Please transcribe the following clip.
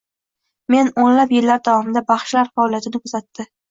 Men o‘nlab yillar davomida baxshilar faoliyatini kuzatdi.